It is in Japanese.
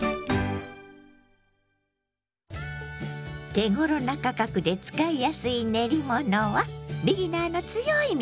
手ごろな価格で使いやすい練り物はビギナーの強い味方。